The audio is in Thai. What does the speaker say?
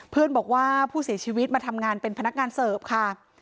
เพื่อนบอกว่าผู้เสียชีวิตมาทำงานเป็นพนักงานเสิร์ฟค่ะ